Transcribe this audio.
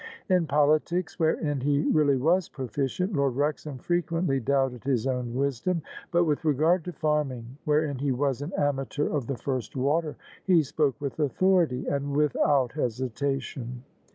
In politics — ^wherein he really was proficient — Lord Wrexham frequently doubted his own wisdom: but with regard to farming — wherein he was an amateur of the first water — ^he spoke with authority and without hesitation.